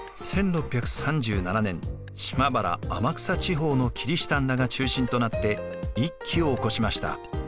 １６３７年島原・天草地方のキリシタンらが中心となって一揆を起こしました。